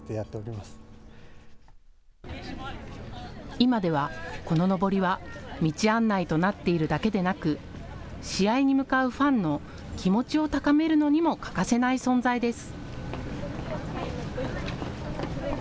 今では、こののぼりは道案内となっているだけでなく試合に向かうファンの気持ちを高めるのにも欠かせない存在です。